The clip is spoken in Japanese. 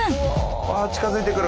わ近づいてくる。